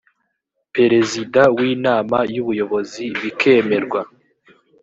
perezida w inama y ubuyobozi bikemerwa